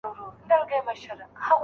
که خلګ بدل نه سي، حالت به ښه نه سي.